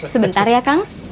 sebentar ya kang